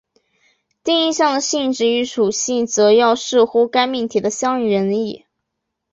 定义项的性质与属性则要视乎该命题的相应原意。